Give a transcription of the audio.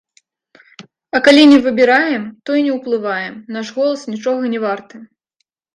А калі не выбіраем, то і не ўплываем, наш голас нічога не варты.